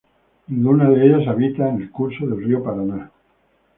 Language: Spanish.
Ninguna de ellas habita en el curso del río Paraná.